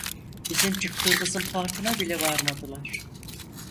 Bizim çıktığımızın farkına bile varmadılar.